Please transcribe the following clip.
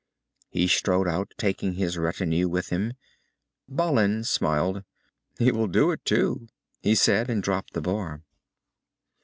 He strode out, taking his retinue with him. Balin smiled. "He will do it, too," he said, and dropped the bar.